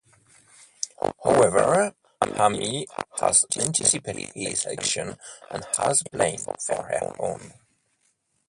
However, Amy has anticipated his actions and has a plan of her own.